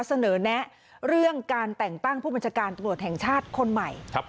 แนะเรื่องการแต่งตั้งผู้บัญชาการตำรวจแห่งชาติคนใหม่